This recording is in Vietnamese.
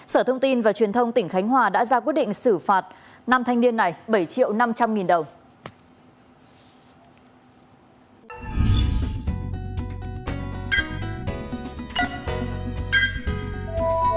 sở thông tin và truyền thông tỉnh khánh hòa đã ra quyết định xử phạt năm thanh niên này bảy triệu năm trăm linh nghìn đồng